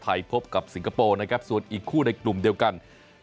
พบกับสิงคโปร์นะครับส่วนอีกคู่ในกลุ่มเดียวกัน